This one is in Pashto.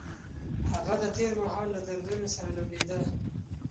هغه د تېر مهال له دردونو سره لوبېده.